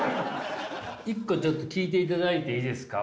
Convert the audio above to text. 一個ちょっと聞いていただいていいですか？